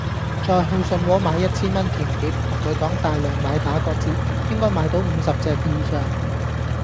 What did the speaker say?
再去信和買一千蚊甜碟，同佢講大量買打個折，應該買到五十隻以上